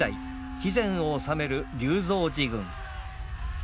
肥前を治める龍造寺軍。